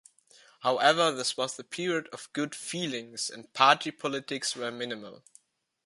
However, this was the period of good feelings, and party politics were minimal.